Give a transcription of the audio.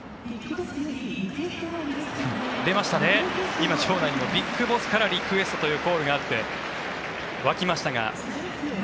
出ましたね、今、場内でもＢＩＧＢＯＳＳからリクエストというコールがあって沸きましたが。